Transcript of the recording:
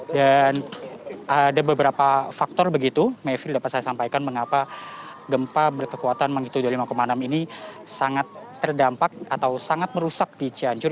dan ada beberapa faktor begitu mayfie dapat saya sampaikan mengapa gempa berkekuatan mengitulah lima enam ini sangat terdampak atau sangat merusak di cianjur